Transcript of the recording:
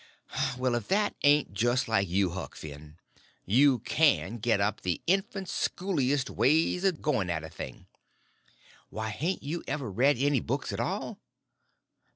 "Well, if that ain't just like you, Huck Finn. You can get up the infant schooliest ways of going at a thing. Why, hain't you ever read any books at all?